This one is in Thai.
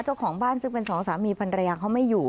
เจ้าของบ้านซึ่งเป็นสองสามีภรรยาเขาไม่อยู่